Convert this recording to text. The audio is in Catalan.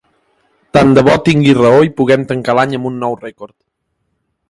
Tant de bo tingui raó i puguem tancar l’any amb un nou rècord.